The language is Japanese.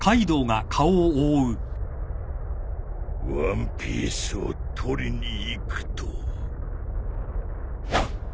ワンピースをとりに行くと。